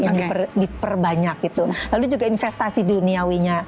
yang diperbanyak gitu lalu juga investasi duniawinya